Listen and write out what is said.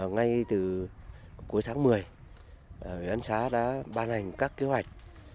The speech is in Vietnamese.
ngay từ cuối tháng một mươi huyện xã đã ban hành các kế hoạch